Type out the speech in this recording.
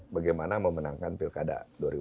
bagaimana memenangkan pilkada dua ribu dua puluh